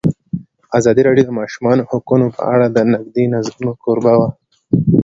ازادي راډیو د د ماشومانو حقونه په اړه د نقدي نظرونو کوربه وه.